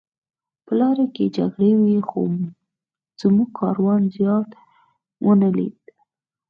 په لاره کې جګړې وې خو زموږ کاروان زیان ونه لید